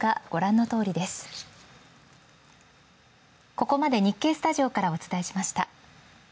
ここまで日経スタジオからお伝えしました。